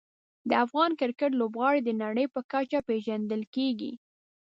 د افغان کرکټ لوبغاړي د نړۍ په کچه پېژندل کېږي.